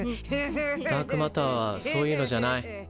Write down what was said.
ダークマターはそういうのじゃない。